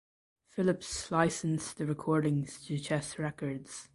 Phillips licensed the recordings to Chess Records.